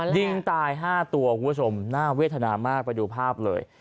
ยิงตาย๕ตัวคุณผู้ชมน่าเวทนามากไปดูภาพเลย